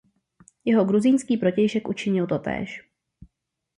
Jeho gruzínský protějšek učinil totéž.